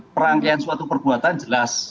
perangkaian suatu perbuatan jelas